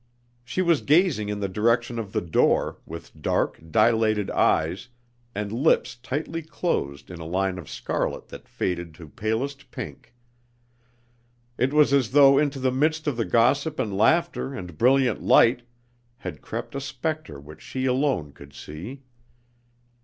She was gazing in the direction of the door, with dark, dilated eyes, and lips tightly closed in a line of scarlet that faded to palest pink. It was as though into the midst of the gossip and laughter and brilliant light had crept a spectre which she alone could see.